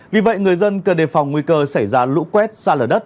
vì vậy người dân cần đề phòng nguy cơ xảy ra lũ quét xa lở đất